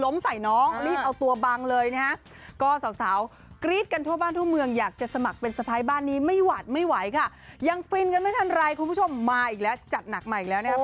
ไม่ได้ทันไรคุณผู้ชมมาอีกแล้วจัดหนักมาอีกแล้วนะครับ